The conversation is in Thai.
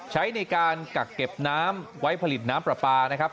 ใช้ในการกักเก็บน้ำไว้ผลิตน้ำปลาปลานะครับ